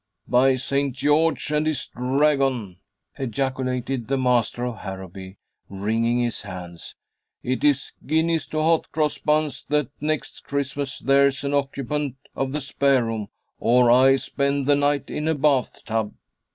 "By St. George and his Dragon!" ejaculated the master of Harrowby, wringing his hands. "It is guineas to hot cross buns that next Christmas there's an occupant of the spare room, or I spend the night in a bath tub."